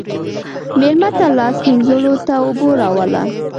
مېلمه ته لاس مینځلو ته اوبه راوله.